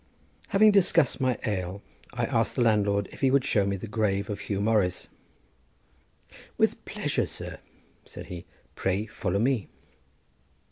Having discussed my ale, I asked the landlord if he would show me the grave of Huw Morris. "With pleasure, sir," said he; "pray follow me."